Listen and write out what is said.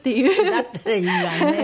だったらいいわね。